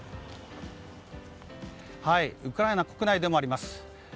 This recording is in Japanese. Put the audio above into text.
ウクライナ国内でもあります。